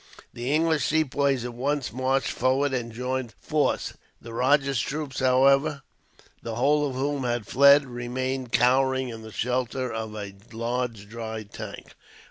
The English Sepoys at once marched forward, and joined Forde's force. The rajah's troops, however, the whole of whom had fled, remained cowering in the shelter of a large dry tank.